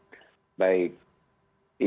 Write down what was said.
sebenarnya kalau kita berjalan dengan cara terbaik